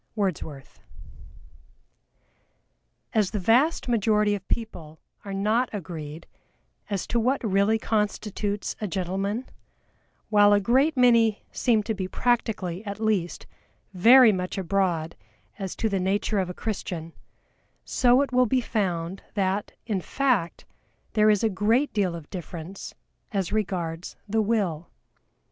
Wordsworth. As the vast majority of people are not agreed as to what really constitutes a Gentleman, while a great many seem to be practically, at least, very much abroad as to the nature of a Christian, so it will be found that, in fact, there is a great deal of difference as regards the Will.